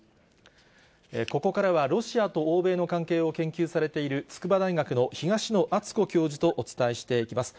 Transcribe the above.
ここからは、ロシアと欧米の関係を研究されている、筑波大学の東野篤子教授とお伝えしていきます。